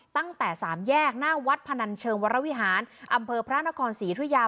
ตั้งแต่สามแยกหน้าวัดพนันเชิงวรวิหารอำเภอพระนครศรีธุยา